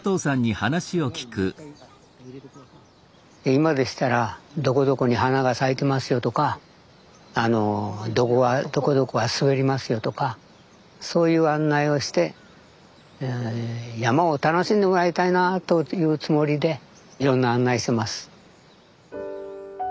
今でしたらどこどこに花が咲いてますよとかどこがどこどこが滑りますよとかそういう案内をして山を楽しんでもらいたいなというつもりでいろんな案内してます。